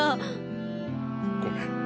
ごめん。